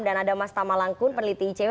dan ada mas tamalangkun peneliti icw